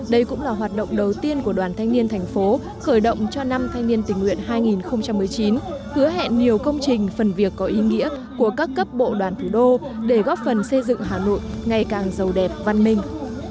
đây cũng là hoạt động đầu tiên của đoàn thanh niên thành phố khởi động cho năm thanh niên tình nguyện hai nghìn một mươi chín hứa hẹn nhiều công trình phần việc có ý nghĩa của các cấp bộ đoàn thủ đô để góp phần xây dựng hà nội ngày càng giàu đẹp văn minh